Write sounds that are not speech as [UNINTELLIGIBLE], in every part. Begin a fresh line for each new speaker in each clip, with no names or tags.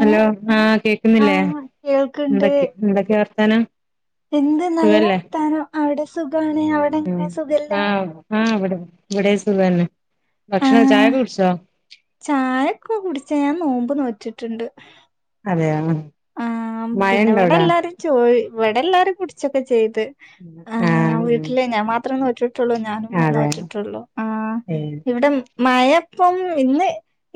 Hello ആഹ് കേക്കുന്നില്ലേ
ആഹ് കേൾക്ക്ണ്ട്
എന്തക്കെ എന്തക്കെയ വർത്താനം
എന്ത് നല്ല
സുഖല്ലേ
വർത്താനം അവിടെ സുഖാണ്
ഉം
അവിടെങ്ങനെയാ സുഖല്ലേ
ആഹ് ആഹ് ഇവിടെ ഇവിടെ സുഖാന്നെ ഭക്ഷണ
ആഹ്
ചായൊക്കെ കുടിച്ചോ
ട്ടുണ്ട്
അതെയാണ്
ആ പിന്നെവിടെല്ലാരും ചോയ് ഇവിടെ എല്ലാരും കുടിച്ചൊക്കെ ചെയ്ത് ആ
ആഹ് ഉം
വീട്ടിലെ ഞാൻ മാത്രണ് ട്ടുള്ളു ഞാനും എന്ന്
അതെ
വറ്റിട്ടുള്ളൂ ആ ഇവിടം മഴപ്പം ഇന്ന്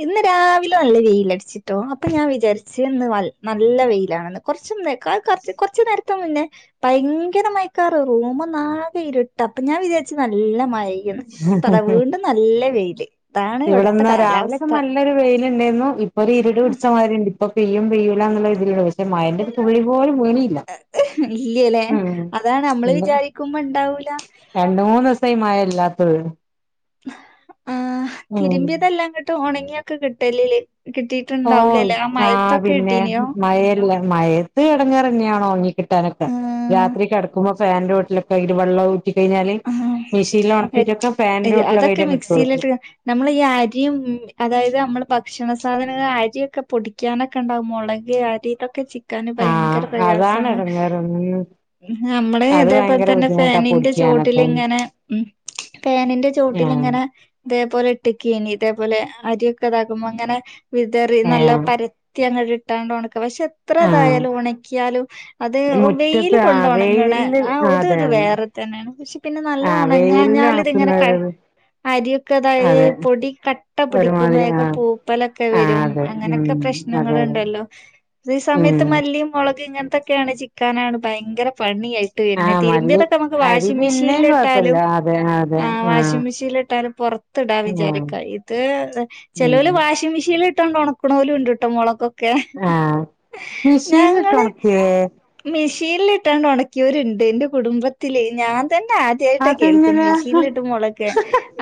ഇന്ന് രാവിലെ നല്ല വെയിലടിച്ചിട്ടോ അപ്പൊ ഞാൻ വിചാരിച്ച് ഇന്ന് വൾ നല്ല വെയിലാണെന്ന് കൊറച്ചുന്നേക്കാൾ കൊറച്ച കൊറച്ചു നേരത്തെ മുന്നേ ഭയങ്കര മയക്കാറ് റൂമ് നാകെ ഇരുട്ട് അപ്പൊ ഞാൻ വിചാരിച്ച് നല്ല മഴയന്ന് ഇപ്പ അതാ
ഏഹ്
വീണ്ടും നല്ല വെയില് ഇതാണ് ഇവിടുത്തെ
ഇവിടെന്നാ രാവിലെക്കെ
കാലാവസ്ഥ
നല്ലൊരു വെയിലി ഇപ്പൊ ഒരു ഇരുട് പിടിച്ച മാതിണ്ട് ഇപ്പ പെയ്യും പെയ്യൂലാനുള്ളെരു പക്ഷെ മയെന്റെ തുള്ളി പോലും വീണില്ല
ഇല്ല്യലേ അതാണ് നമ്മള് വിചാരിക്കുമ്പോ ഇണ്ടാവൂല.
രണ്ട്മൂന്ന് ദിവസായി മയല്പ ല്ലാത്തൊര്
ആ തിരുമ്പിതെല്ലാം കിട്ടും ഉണങ്ങിയൊക്കെ കിട്ടില്ലേല്ലെ
ഓഹ്
കിട്ടിയിട്ടുണ്ടാവൂലല്ലേ
ആഹ് പിന്നെ
കിട്ടീനിയോ?
മയല്ലേ മയത്ത് കിടങ്ങാറിയാണോ ഒണങ്ങി കിട്ടാനൊക്കെ
ആഹ്
രാത്രി കിടക്കുമ്പോ ഫാന്റെ ചോട്ടിലൊക്കെ അയിൻ്റെ വെള്ളം ഊറ്റി കഴിഞ്ഞാല്
ആഹ്
മെഷീനിൽ ഒണക്കിയിട്ടൊക്കെ ഫാന്റെ
അതൊക്കെ
ചോട്ടിലൊക്കെയായിട്ട് അങ്ങ് ഇട്ട് കൊടുക്കും
മിക്സിയിലിട്ട് ക നമ്മളീ അരിയും അതായത് നമ്മ ഭക്ഷണസാധനങ്ങള് അരിയൊക്കെ പൊടിക്കാനൊക്കെ ഇണ്ടാകും മൊളക് അരി ഇതൊക്കെ ചി ക്കാന്
ആഹ്
ഭയങ്കര
അതാണ്
പ്രയാസാണ്
എടങ്ങേറ് ഉം
നമ്മളെ
അത്
അതേപോലെ
ഭയങ്കര
തന്നെ
ബുദ്ധിമുട്ടാ
ഫാനിന്റെ ചോട്ട
പൊടിക്കാനൊക്കെ
ട്ടിലിങ്ങനെ ഉം ഫാനിന്റെ ചോട്ടില്
ആഹ്
ഇങ്ങനെ ഇതേപോലെ ഇട്ടേക്കാണ് ക ഇതേപോലെ അരിയൊക്കെ ഇതാക്കുമ്പോ അങ്ങനെ വിതറി നല്ല
ഏഹ്
പരത്തിയങ്ങട്ട് ഇട്ടാണ്ട് ഉണക്ക പക്ഷെ എത്ര
ആഹ്
ഇതായാലും ഉണക്കിയാലും അത്
മുറ്റത്ത്
വെയില് കൊണ്ട്
ആഹ്
ഉണങ്ങണ
വെയിലില്
ആ
ആഹ് അതെ
അതൊരു
അതെ
വേറെ തന്നെയാണ് പക്ഷെ പിന്നെ നല്ല
ആഹ് വെയിലില്
ഉണങ്ങാഞ്ഞാൽ ഇതിങ്ങനെ
ഒണക്കുന്ന
ക
ഒരു
അരിയൊക്കെ
അതെ
അതായത് പൊടി കട്ട പിടിക്കും
ഒരുമാതിരി
വേഗം
ആഹ്
പൂപ്പലൊക്കെ
ആഹ്
വരും
അതെ
അങ്ങനൊക്കെ
ഉം അതെ അതെ
പ്രശ്നങ്ങളുണ്ടലോ ഇതേ സമയത്ത്
ഉം
മല്ലി മൊളക് ഇങ്ങനെത്തെയൊക്കെയാണ് ചിക്കാനാണ് ഭയങ്കര പണിയായിട്ട് വരുന്നേ തിരുമ്പിയതൊക്കെ നമക്ക് വാഷിംഗ്‌ മെഷീൻ
പിന്നെയും കുഴപ്പമില്ല അതെ അതെ
ആ
ആഹ്
വാഷിംഗ് മെഷീനിലിട്ടാലും പൊറത്ത് ഇടാ
ആഹ്
വിചാരിക്ക ഇത് ചെലവര്
ഉം
വാഷിംഗ് മെഷീനി ലിട്ടോണ്ട് ഉണക്കണോലുണ്ട് കേട്ടോ മുളകൊ ക്കെ
ആഹ് മിഷീനിലിട്ട്
ഞങ്ങള്
ഒണക്കിയേ
മെ ഷീനിലിട്ടോണ്ട് ഉണക്കിയവരുണ്ട് എൻ്റെ കുടുംബത്തില് ഞാൻ ഞാൻ ആദ്യവായിട്ടാ കേൾക്കുന്നെ
അതെങ്ങനെയാ
മിഷനിലിട്ട് മുളക്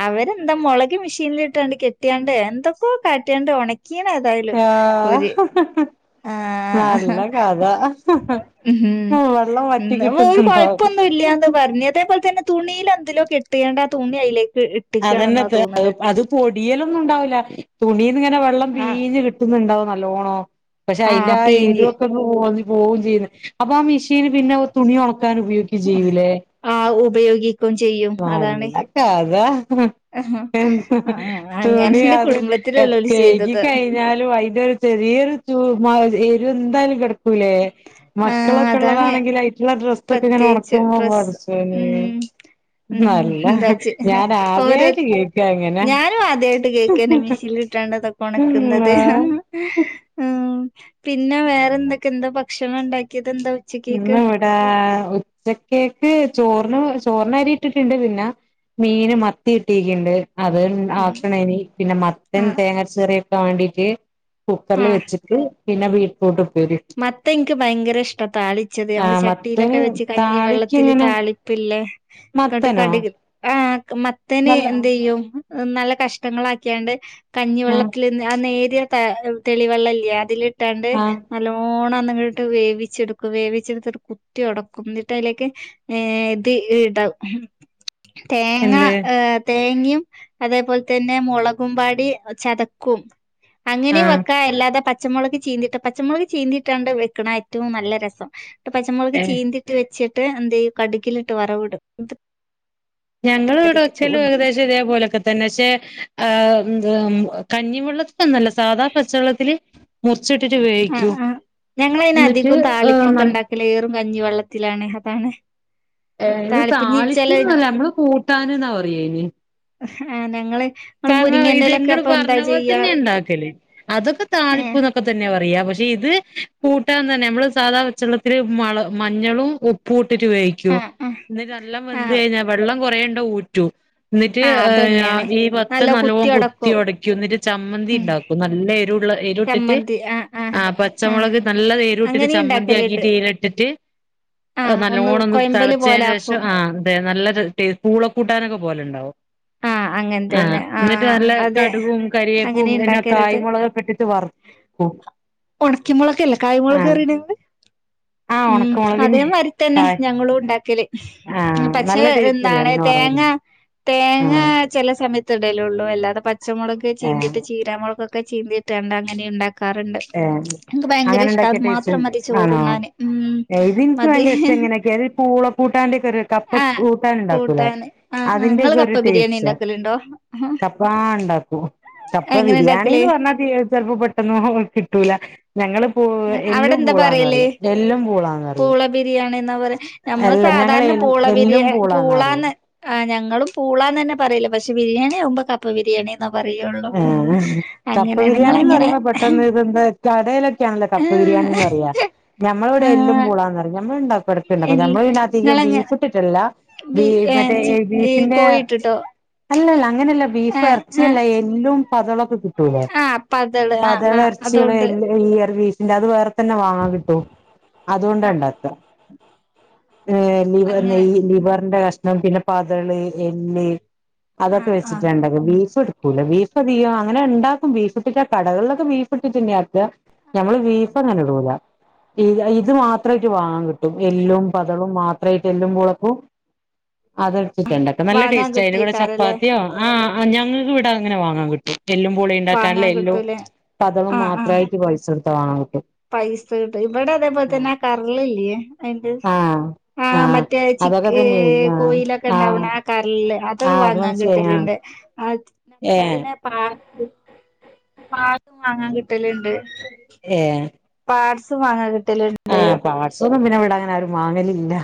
അവരെന്താ മുള ക് മെഷീനിലിട്ടാണ്ട് കെട്ടിയാണ്ട് എന്തൊക്കോ കാട്ടിയാണ്ട് ഉണക്കീയന് ഏതായിലും ഓര്
ആഹ്
ആഹ്
നല്ല കഥാ
ഉം ഉം ഓര് കുഴപ്പൊന്നും ഇല്യാന്ന് പറഞ്ഞ് അതേപോലെ തന്നെ തുണീലെന്തിലോ കെട്ടിയോണ്ട് ആ തുണി അയിലേക്ക്
അതന്നെ
ഇട്ട്ക്കാണെന്നാ
തെ
തോന്ന്ണ്
അത് പൊടിയലൊന്നും ഉണ്ടാവില്ല തുണീന്നിങ്ങനെ വെള്ളം
ആ
പീഞ്ഞ് കിട്ടു ന്നുണ്ടാവും നല്ലോണം പക്ഷെ അതിന്റെ ആ എരിവൊക്കെ ഒക്കെ ഒന്ന് പോ വുകയും ചെയ്യൂന്ന് അപ്പൊ ആ മെഷീന് പിന്നെ തുണി ഒണ ക്കാൻ ഉപയോഗിക്കുകയും ചെയ്യൂല്ലേ
ആ ഉപയോഗിക്കും ചെയ്യും അതാണ്
നല്ല കഥ
ആഹ്. ആ അങ്ങനെ
തുണി
എന്റെ
അത് ഇഎ
കുടുംബത്തിലുള്ളോല് ചെയ്തത്
കഴ്കിക്കഴിഞ്ഞാലും അയിന്റെ ഒരു ചെറിയൊരു ചൂ എരുവ് എന്തായാലും കെട ക്കൂല്ലെ
ആ
മക്കളൊക്കെ
അതാണ്
ഉള്ളതാണെങ്കിൽ
പ്രത്യേകിച്ച് ഡ്രസ്സ് ഉം ഉം എന്താച്ച്
[UNINTELLIGIBLE] [UNINTELLIGIBLE]
ഓരോ
[UNINTELLIGIBLE]
ഞാനും ആദ്യായിട്ട് കേക്കന്നെ മിശീല്ല് ഇട്ടാണ്ട് ഇതൊക്കെ ഒണക്കുന്നത്
അള്ളാ
പിന്നെ വേറെന്തൊക്കെ എന്താ ഭക്ഷണം ഉണ്ടാക്കിയ
ഇന്ന് ഇവടെ [UNINTELLIGIBLE] കേക്ക് ചോറിന് ചോർന് അരി ഇട്ടിട്ടുണ്ട് പിന്നെ മീന് മത്തി കിട്ടിക്ണ്ട് അത് കഴിഞ്
ഉം
ആക്ണേനി പിന്നെ മത്തൻ
ആഹ്
തേങ്ങാ അരച്ച് കറിക്കാൻ വേണ്ടീട്ട് കുക്കറിൽ വെച്ചിട്ട് പിന്നെ വീ
മത്തൻ ഇൻക്ക് ഭയങ്കര ഇഷ്ട താളിച്ചത്
ആ
നമ്മള്
മത്തന്
ചട്ടിലൊക്കെ വെച്ച്
താളിക്ക്
കഞ്ഞിവെള്ളത്തില്
എങ്ങനെ
താളിപ്പ്ല്ലേ കട്
മത്തനോ
കട്ക് മത്തന്
നല്ല
എന്ത്‌യ്യും നല്ല കഷ്ണങ്ങളാക്കിയാണ്ട്
ആ
കഞ്ഞിവെള്ളത്തില് നിന്ന് നേരി രിയ താ തെളിവെള്ളല്ലേ അതിലിട്ടാണ്ട്
ആ
ഓണം ന്നിട്ട് വേവിച്ചെടുക്കും വേവിച്ചെടുത്തിട്ട് കുത്തി ഒടക്കും എന്നിട്ട് അതിലേക്ക് ഹേ ഇത് ഹ് ണ്ടാവും തേങ്ങ
എന്ത്
തേ ന്യും അതേ പോലെ തന്നെ മോളകും പാടി ചതക്കും
ആ
അങ്ങനിം വെക്കാ അല്ലാതെ പച്ച മോളക് ചീന്തിട്ട പച്ചമോളക് ചീന്തിട്ടാണ്ട് വെക്ണാ ഏറ്റവും നല്ല രസം ഇപ്പം പച്ചമോളക്
ഏ
ചീന്തിട്ട് വെച്ച് ട്ട് എന്തെയ്യും കട്ക്കിലിട്ട് വറവ്ടും
ഞങ്ങള് ഇവിടെ വെക്കലും ഏകദേശം ഇതേപോലെക്കെ തന്നെ പക്ഷെ ആഹ് കഞ്ഞിവെള്ളത്തിലൊന്നും അല്ല സാധാ പച്ചവെള്ളത്തില് മു
അഹ് അഹ് ഞങ്ങളയ്ന്
എന്നിട്ട്
അധികും
ഏഹ്
താളിപ്പൊക്കെ
നൽ
ഉണ്ടാക്കല് ഏറും കഞ്ഞി വെള്ളത്തിലാണ് അതാണ്
ഏ ഇത്
താളിപ്പിഞ്ഞി ചെല
താളിപ്പ് ന്നല്ല നമ്മള് കൂട്ടാന് ന്നാ പറിയ അയ്ന്
ഹേ ഞങ്ങള് ങ്ങള്
കാരണം
മുരിങ്ങന്റെലൊക്കെ
ഇത്ങ്ങള്
അപ്പൊ എന്താ
പർഞ്ഞ പോലെ
ചെയ്യാ
തന്നെ ഇണ്ടാക്കല് അതൊക്കെ
ഏഹ്
താളിപ്പ്ന്നൊക്കെ തന്നെ പറയാ പ ഇത് കൂട്ടാതന്നെ നമ്മള് സാദാ പച്ചള്ളത്തില് മള മഞ്ഞളും ഉപ്പു ട്ടിറ്റ് വേവിക്കു
ആഹ് ആഹ്
ന്നിട്ട് നല്ലം വെന്ത്
ആഹ്
കയിഞ്ഞാ വെള്ളം കുറെ ണ്ട ഊറ്റും ന്നിട്ട്
ആഹ്
ഹ്
അതന്നേണ്
ആവി വെ
നല്ല
ച്ചനല്ലോം കുത്തി
കുത്തിയൊടക്കും
ഒടക്കും ന്നിട്ട് ചമ്മന്തി
ഉം
ണ്ടാക്കും നല്ല എരുവള്ള എരിട്ടിട്ട്
ചമ്മന്തി ആഹ് ആഹ്
അ
ആഹ്
പച്ചമുളക് നല്ലതെരുട്ടിട്ട്
അങ്ങനിം ഇണ്ടാക്കല്ണ്ട്
ചമ്മന്തിയാക്കിട്ട് ഇലട്ടിട്ട് അത്
ആഹ് ഒന്ന്
നല്ലോണംന്ന്
കൊയമ്പല്
തളച്ചതിന്
പോലാക്കും
ശേഷം ആ അതെ നല്ല ത് ടീ പൂളക്കൂട്ടാനൊക്കെ പോലെണ്ടാവും
ആ അങ്ങൻ തന്നെ
ന്നിട്ട്
ആഹ്
നല്ല
അതെ
കടുുകും കരിവേപ്പും
അങ്ങനെ
പിന്നെ കായ്
ഇണ്ടാക്കരുത്
മുുളകൊ ക്കിട്ടിട്ട് വറക്കും
ഉണക്കി മുളകല്ലെ കായ മുുളക് പറീണിങ്ങള്
ആ
ഉം അതേ
ഉണക്കമുളകിന്
മാരിത്തന്നെ
കായ്
ഞങ്ങളുണ്ടാക്കല്
ആ
പക്ഷെ
നല്ല ടേസ്റ്റ് അല്ലേ
എന്താണ്
അങ്ങനെ വറവ്
തേങ്ങ തേ
ആ
ങ്ങ ചേലെ സയത്ത് ഇടലൊള്ളൂ അല്ലാതെ പച്ചമൊളക്
ഏ
ചീന്തിട്ട് ചീരാമുളകൊ ക്കൊ ചീന്തിട്ടണ്ട് അങ്ങനെ ഉണ്ടാ ക്കാറുണ്ട്
ഏ
എനിക്ക് ഭയങ്കര
അങ്ങനെ
ഇഷ്ട
ഉണ്ടാക്കിയ
അത്
ടേസ്റ്റ്
മാത്രം മതി
ആണോ
ചോറ്ണ്ണാന് ഉം മതി
അങ്ങനൊക്കെ അത് പൂള കൂട്ടാന്റൊക്കെരു കപ്പ
ആഹ്
കൂടാനുണ്ടാക്കൂലേ
കൂട്ടാന് ആഹ് ആഹ് ഇങ്ങള്
അതിന്റെക്കൊരു
കപ്പ ബിരിയാണി
ടേസ്റ്റ
ഇണ്ടാക്കലുണ്ടോ
ണ്ടാക്കോ കപ്പ
എങ്ങനെ
ബിരിയാണി
ഇണ്ടാക്കല്
ന്ന് പറഞ്ഞ ചെൽപോ പെട്ടെന്ന് കിട്ടൂല ഞങ്ങള് പൂ എല്ലും
അവിടന്താ
പൂളാന്ന്
പറയല്
പറയും എല്ലും പൂളാന്ന് പറയും
പൂള ബിരിയാണിന്നാ പറയാ നമ്മള്
അല്ല
സാ
ഞങ്ങള്
സാധാരണ പൂള
എല്ലും
ബിരിയാണി
പറയും
പൂളാന്ന് ആ ഞങ്ങളും പൂളാന്നേ ന്നേ പ പറയല് പക്ഷെ ബിരിയാണി ആവുമ്പോ കപ്പ് ബിരിയാണി
ആ കപ്പ ബിരിയാണിന്ന്
നിങ്ങളങ്ങനെ
പറയുമ്പോ പെട്ടന്ന് ഇതെന്താ കടയിലൊക്കെയാണല്ലോ കപ്പ പ്പ ബിരിയാണിന്ന് പറയാ നമ്മളിവിടെ എല്ലും
ആഹ്
പൂളാന്ന് പറ യ നമ്മളുണ്ട വൃത്തിണ്ട് നതിന
ഇൽ
നമ്മള് പിന്നെധികം
നിങ്ങളങ്ങ
ഫിട്ടിട്ടല്ല
ബി
ബീ
ഏഹ്
മറ്റേ
ചി ഈ
ബീച്ചിന്റെ
കോയിട്ടിട്ടോ
അല്ലല്ല അങ്ങനെയല്ല ബീഫ്
ഏഹ്
ഇറച്ചിയല്ല
ഏഹ്
എല്ലും പതോളൊക്കെ
ആഹ് പതള് ആഹ്
പതള
ആഹ്
ഇറച്ചീടെ
അതുകൊണ്ട്
എൽ എല്ല് പി അത് വേറെ തന്നെ വാങ്ങാ കിട്ടും അതുകൊണ്ടാ
ആഹ്
ഇണ്ടാക്കാ ഏഹ് ലിവ
അങ്ങനെ
ഈ ലിവറിന്റെ കഷ്ണം പിന്നെ പതള് എല്ല് അതൊക്കെ
ആഹ് ആഹ്
വെച്ചിട്ട്ണ്ടെ ബീഫ് എടുക്കും കൂല ബീഫധികം അങ്ങനെ ഇണ്ടാക്കും ബീഫൊക്കെ കടകളിലൊക്കെ ബീഫ് ഇട്ടിട്ടുത്ത് നമ്മള് ബീഫ ടൂല ഇത് മാത്രമായിട്ട് വാങ്ങും എല്ലും പതളും മാത്രമായിട്ട് എല്ലും പുളക്കും അതെടുത്തിട്ടുണ്ടെ നല്ല
വാങ്ങാൻ
ടേസ്റ്റ് അയിന്റെ കൂടെ
കിട്ടുവയ്ക്കാരല്ലേ
ചപ്പാത്തിയോ ആഹ് ഞങ്ങക്ക് ഇവിടെ അങ്ങനെ വാങ്ങാൻ കിട്ടും എല്ലും പൊളിണ്ടാക്കാനുള്ള
വാങ്ങാൻ
എല്ലോ
കിട്ടൂലേ
പഥവും
ആഹ് ആഹ്
മാത്രമായിട്ട് പൈസൊടുത്ത് വാങ്ങും
പൈസ കിട്ടും ഇവിടെ അതേപോലെ തന്നെ കറളില്ലേ അയിൻ്റെ
ആഹ്
ആഹ് മറ്റേ
അതൊക്കെ
ചിക്ക്
തന്നെ ആഹ്
കോയിലൊക്കെ
ആഹ്
ഇണ്ടാവണ ആ കരളില്ലേ അത്
ആഹ്
വാങ്ങാൻ
മനസ്സിലായി ആഹ്
കിട്ടലിണ്ട് അത്
ഏഹ്
[INAUDIBLE] വാങ്ങാൻ കിട്ടലിണ്ട് പാർസ് വാങ്ങ കിട്ട
ആഹ പസൊന്നും പിന്നെ ഇവിട അങ്ങനെ ഒരു മാവല ഇല്ല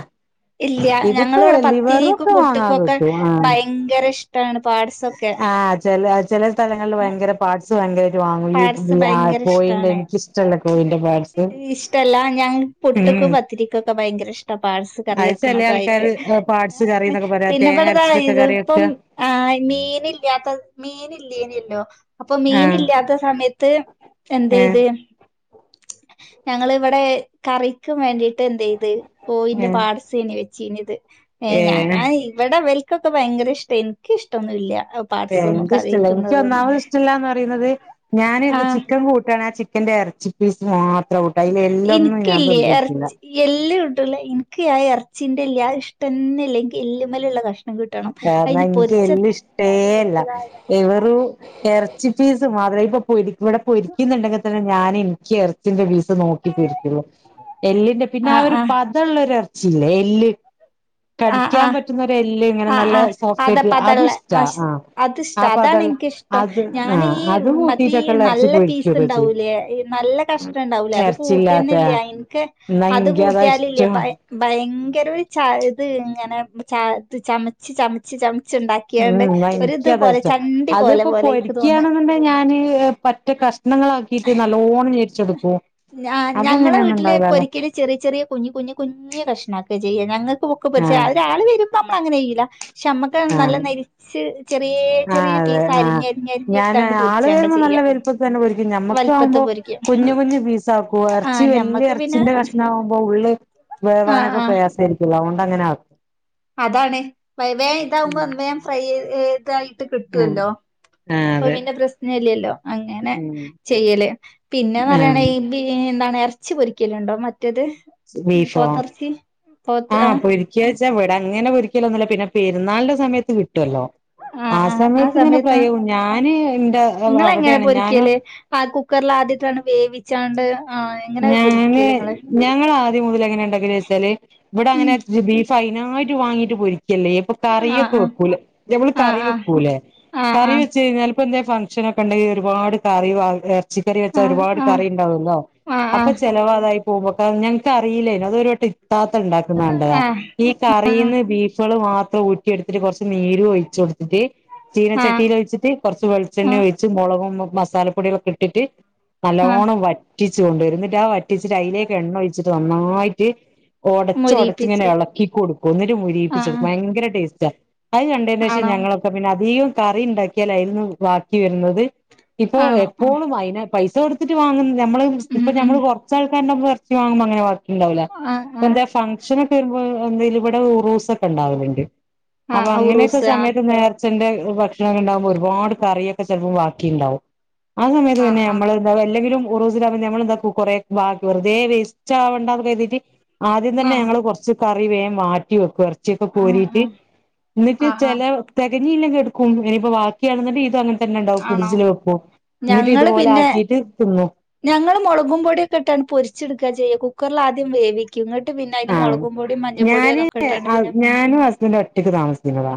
ഇല്ല ഞങ്ങളിവിടെ പത്തിരിക്കും
ഒക്കെ വാങ്ങാൻ
പുട്ടക്കുംക്കെ
കിട്ടും ആഹ്
ഭയങ്കര ഇഷ ഇാണ് പാട്സൊക്കെ
ചില സ്ലങ്ങളിൽ ഭയങ്കര പാട്സ് ഭയര
പഴസ് ഭയങ്കര ഇഷ്ടാണ്
എനിക്കിഷ്ടല്ല കോയിന്റെ പാട്സ്
ഇഷ്ടല്ല ഞാൻ പൊട്ട
ഉം
ക്കെ ഭയ ഇ്ട കക്ക്
അത് ചെല ആൾക്കാര് പാട്സ് കറി എന്നൊക്കെ പറയാ
പ്പീ
തേങ്ങ അരച്ചിട്ടൊക്കെ കറി വെക്ക
മീനല്ലേനല്ലോ അപ്പൊ
ആഹ്
മീനല്ലാത്ത സമയത്ത് എന്ത
ഏഹ്
ഇത് ഞങ്ങിവിടെ കറിക്കും വേണ്ടിട്ട് എന്ത ചെയ്ത് കോയിന്റെ
ഏഹ്
പാട്സേണ വെച്ച ീത് ഏ ഞൻ
ഏഹ്
ആ ഇവിടെ വൽക്കൊക്കെ ഭയങ്കര ഇഷ്ടം എനിക്ക് ഇഷ്ടൊന്നുമ ഇല്ല
ഏ എനക്ക് ഇഷ്ടമല്ല എനിക്ക് ഒന്നാമത് ഇഷ്ടല്ലാന്ന് പറയുന്നത് ഞാന്
ആഹ്
ചിക്കൻ കൂട്ടുകാണ് ആ ന്റെ ഇറച്ചിപ്പീസ്
എനക്ക്ല്ലയേ ഇറച്ചി എല്ല ഉണ്ടല്ല എനിക്ക് ഞാ ഇറച്ചി അച്ചിന്റെല്ല ഇഷ്ടംന്നല്ലെങ്കിൽ എല്ലുമലുള്ള കഷ്ടം
അനിക്ക് എല് ഇഷ്ടേല്ല
ആഹ്
ഇവെറ ഇറച്ചി പീസ് മാത്രേ ഇപ്പ ഇവിടെ പൊരിക്കുന്നുണ്ടെങ്കിൽ തന്നെ ഞാൻ എനിക്ക് എർത്തിന്റെറെീ നോക്കി പോക്കുള്ളൂ എല്ലിന്റെ പിന്നെ ആ
ആഹ്
ഒരു പതമള്ളൊ ഇർച്ചിയില്ലേ എല്ല്
ആഹ്
കളിക്കാൻ
ആഹ്
പറ്റുന്നവരെല്ലേ
ആഹ് ആഹ് പത പതള്ള
ന
ആശ് അതിഷ്ട അതാണ്
നോ
എനിക്കിഷ്ടം ഞാന് ഈ
അഷ
മറ്റേ നല്ല പീസ് ഉണ്ടാവൂലേ നല്ല കഷ്ടം ഉണ്ടാവൂലേ അത് കൂട്ടി
എർച്ചില്ലാത്തെ
തന്നെല്ലേ എനിക്ക്
ന്നാ
അത്
ഇൻക്കതാ
കൂട്ടിയാലില്ലേ
ഇഷ്ടം
ഭയങ്കര ച ഇത് ഇങ്ങനെ ചമച്ച് ചമച്ച് ച
ഉ എനിക്ക് അതാ ഇഷ്ടം
ചണ്ടി പോലെ
അതിപ്പോൊ
പോലെ എനിക്ക് തോന്ന
പൊരിക്കണെന്നുണ്ട ഞാന് പറ്റ കഷ്ണങ്ങളക്കിയിട്ട നല്ലോണം ഞെരിച്ചെടുക്കും
്
അപ്പൊ
ഞങ്ങളെ
അങ്ങനെയൊന്നും
വീട്ടില്
ഉണ്ടാവില്ലല്ലോ
പൊരിക്കല് ചെറിയ ചെറിയ കുഞ്ഞഞ് കുഞ്ഞഞ് കുഞ്ഞഞ് കഷ്ണംക്ക െ ചെയ്യ ഞങ്ങക്ക് പൊക്കെ പരിിച്ച അ
ആഹ്
ഒരാൾ വരുമ്പ നമ്മള അങ്ങനെ ചെയ്യില്ല പക്ഷെ നമ്മക്ക് നല്ല
ആഹ്
നരിച്ച് ചെറിയ
ആഹ്
ചെറിയ
അതെ
പീസ് അരിഞ്ഞ അരിഞ്ഞ് അരിഞ്ഞ എടുത്താണ്ട് പൊരിച്ചേണ്ട
വ
ചെയ്യ
തന്നെരിക്കും
വലുപ്പത്ത്
നമ്മക്കാവുമ്പോ
പൊരിക്കും
കുഞ്ഞഞ് കുഞ്ഞ് പീസ ആക്കുവ ഇറച്ചി
ആഹ്
വലിയ
ഞമ്മക്ക് പിന്നെ
ഇറച്ചിന്റെ കഷ്ണമാകുമ്പോൾ ഉള്ളള്
ആഹ്
വേവാനൊക്കെ
ആഹ്
പ്രയാസമായിരിക്കല്ല അതുകൊണ്ട് അങ്ങനെ ആക്കും
അതാണ് വേം ഇതാവുമ്പോ
ഉം
അന്ന് വേം ഫ്രൈ ഇതായി
ആഹ്
കിട്ടുമല്ലോ
ആഹ്
അപ്പൊ
അതെ
പിന്നെ പ്രശ്നല്ലല്ലോ അങ്ങനെ
ഉം
ചെയ്യല് പിന്നെന്ന്
ആഹ്
പറയാണെ എന്താണ് ഇറച്ചി പൊരിക്കലുണ്ടോ പറ്റത്
ബീഫോ
പോത്തർച്ചി പോത്ത് ആ
ഇവിട അങ്ങനെ പൊരിക്കലൊന്നുവില്ല പിന്നെ പെുന്നാളിന്റെ സമയത്ത് കിട്ടുവല്ലോ ആ
ആഹ് ആഹ്
സമയത്ത്ങ്ങനെ
സമയത്ത്
പറയാ ഞാന് എന്റെ അവിടെയാണ് ഞാനും
ആദ്യത്തെ വേവിച്ച് ആണ്
ഞാന് ഞങ്ങള് ആദ്യം മുതൽ എങ്ങനെ ഉണ്ടാക്ക ചോച്ചാല് ഇവിടെ അങ്ങനെ
ഉം
സൈനായിട്ട് വാങ്ങിട്ട് പോയി ല്ലേ ഇപ്പൊ
ആ
കറിയൊക്കെ
ആ
വെക്കൂല ഞമ്മള്
ആ
കറി
ആ
വെക്കൂലേ
ആ ആ
കറി വെച്ച് കഴിഞ്ഞാൽ ഇപ്പ എന്തേലും ഫംഗ്ഷൻ ഒക്കെ ഉണ്ടെങ്കി ഒരുപാട് കറി ഇറച്ചിക്കറി വെച്ചാ
ആ ആ
ഒരുപാട് കറി
ആ
ഉണ്ടാവുല്ലോ
ആ
അപ്പൊ ചിലവാ അതായി പോകുമ്പൊക്ക ഞങ്ങക്ക് അറിയില്ലേനു അത്വരായിട്ട് താത്ത ഉണ്ടാക്കുന്ന കണ്ടതാ
ആ
ഈ കറിന്ന് ബീഫുകള് മാത്രം ഊറ്റിയെടുത്തിട്ട് കുറച്ച് നീര് ഒഴിച്ച് കൊടുത്തിട്ട്
ആ ആ
ചീനച്ചട്ടയിൽ ഒഴിച്ചിട്ട് കുറച്ച് വെളിച്ചെണ്ണ ഒഴിച്ച് മുളക മസാലപ്പൊടികളൊക്കെ ഇട്ടിട്ട്
ആ
നല്ലോണ്ണം വറ്റിച്ച് കൊണ്ടുവരുന്നിട്ട് ആ ച്ചിട്ട് അതിലേക്ക് എണ്ണ ഒഴിച്ചിട്ട് നന്നായിട്ട് ഒടച്ച് ഒടച്ച് ഇങ്ങനെ
മൊരിയിപ്പിച്ചു
ഇളക്കി കൊടുക്കും എന്നിട്ട്
ആ ആ
മൊരിപ്പിച്ചെടുക്കും ഭയങ്കര ടേസ്റ്റാ അത് കണ്ടതിന് ശേഷം
ആണോ
ഞങ്ങളൊക്കെ പിന്നെ അധികം കറി ഉണ്ടാക്കിയാലതീന്ന് ബാക്കി വരുന്നത് ഇപ്പൊ
ആണോ ആ
എപ്പോഴും അതിന് പൈസ കൊടുത്തിട്ട് വാങ്ങുന്ന നമ്മള്
ഉം
ഇപ്പ
ഉം
ഞമ്മള് കുറച്ചാൾ ഇറച്ചി വാങ്ങുമ്പോ അങ്ങനെ കൊഴപ്പവുണ്ടാവില്ല
ആ
അപ്പ
ആ
എന്താ ഫഗ്ഷനൊക്കെ എന്താ ഇവിടെ ഉറൂസല്ക്കെ ഇണ്ടാവലിണ്ട് അപ്പൊ
ആ
അങ്ങനെയൊക്കെ
ഉറൂസ് ആ
സമയത്ത് നേ ർച്ചന്റെ ഭക്ഷണം ഇണ്ടാകുമ്പോ ഒരുപാട് കറിയൊക്കെ ചെലപ്പോ ബാക്കി ഇണ്ടാവും ആ സമയത്ത് പിന്നെ നമ്മള് ന്ത എല്ലെങ്കിലും ഉറിസിന്റെ അന്ന് രാവിലെ ബാക്കി വെറുതെ വേസ്റ്റാവണ്ടാന്ന് കരുതിയിട്ട് ആദ്യം
ആ
തന്നെ ഞങ്ങള് കൊറച്ച് ക വേഗം മാറ്റി വെക്കും ഇറച്ചി ഒക്കെ
ആ
കോരീട്ട് എന്നിട്ട്
ആ ആ
ചില തികഞ്ഞില്ലെങ്കി ഏട് ഇനിപ്പോ ബാക്കിയാണെന്ന്ണ്ടേ ഇതങ്ങനെ തന്നെ ഇണ്ടാവും
ആണോ
ഫ്രിഡ്ജില് വെക്കും എന്നിട്ട്
ഞങ്ങള്
ഇതുപോലെ
പിന്നെ
ആക്കിട്ട് തിന്നും
ഞങ്ങള് മുളകും പൊടിയൊക്കെ ഇട്ടാണ് പൊരിച്ചെടുക്കുക ചെയ്യുക കുക്കറിൽ ആദ്യം വേവിക്കും എന്നിട്ട് പിന്നെ അതിന്
ആഹ്
മുളകും പൊടിയും മഞ്ഞൾപ്പൊടിയും
ഞാന്
അതൊക്കെ ഇട്ടാണ്ട് പിന്നെ
ഞാനും ഹസ്ബൻഡും ഒറ്റക്ക് താമസിക്കുന്നതാ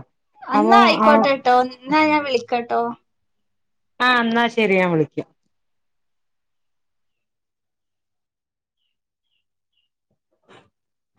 അപ്പൊ
അന്നാ
ആ
ആയിക്കോട്ടെട്ടോ എന്നാ ഞാൻ വിളിക്കട്ടോ.
ആ എന്നാ ശരി ഞാൻ വിളിക്കാം.